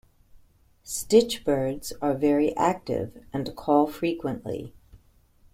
Stitchbirds are very active and call frequently.